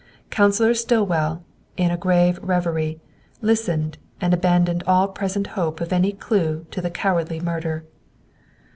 Counsellor Stillwell, in a grave reverie, listened and abandoned all present hope of any clue to the cowardly murder.